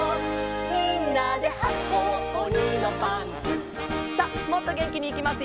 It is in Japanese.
「みんなではこうおにのパンツ」さあもっとげんきにいきますよ！